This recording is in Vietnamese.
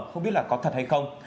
không biết là có thật hay không